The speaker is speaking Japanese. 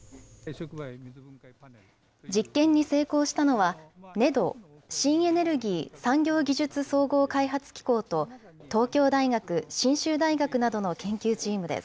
実験に成功したのはＮＥＤＯ・新エネルギー・産業技術総合開発機構と東京大学・信州大学などの研究チームです。